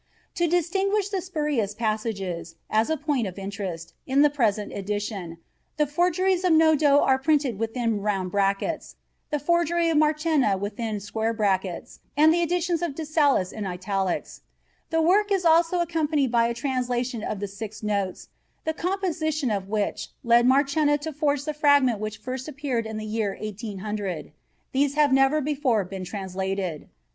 To distinguish the spurious passages, as a point of interest, in the present edition, the forgeries of Nodot are printed within round brackets, the forgery of Marchena within square brackets, and the additions of De Salas in italics {In this PG etext in curly brackets}. The work is also accompanied by a translation of the six notes, the composition of which led Marchena to forge the fragment which first appeared in the year 1800. These have never before been translated.